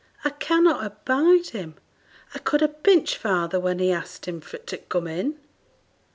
'I cannot abide him; I could ha' pinched father when he asked him for t' come in.'